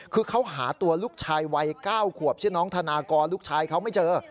คือเขาหาตัวลูกชายวัย๙ขวบชื่อน้องธนากรลูกชายเขาไม่เจอ